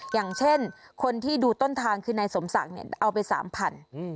อย่างเช่นคนที่ดูต้นทางคือนายสมศักดิ์เนี่ยเอาไป๓๐๐บาท